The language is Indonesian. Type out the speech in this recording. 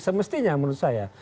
semestinya menurut saya